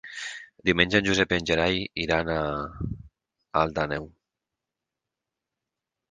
Diumenge en Josep i en Gerai iran a Alt Àneu.